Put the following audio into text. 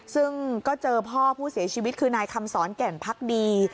ซึ่งก็เจอพ่อผู้เสียชีวิตคือนายคำสอนแก่นพักดี